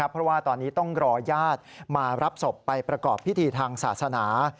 เพราะว่าตอนนี้ต้องรอญาติมารับศพไปประกอบพิธีทางศาสนา